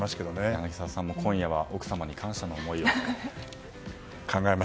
柳澤さんも今夜は奥様に感謝の思いを。